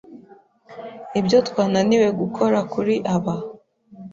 Ibyo twananiwe gukora kuri aba